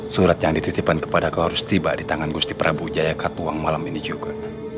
surat yang dititipkan kepada kau harus tiba di tangan gusti prabu jaya katuang malam ini juga